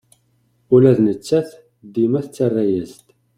Ula d nettat dima tettara-yas-d.